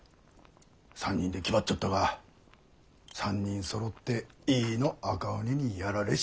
３人で気張っちょったが３人そろって井伊の赤鬼にやられてしもた。